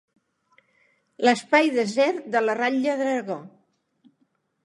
L'espai desert de la ratlla d'Aragó.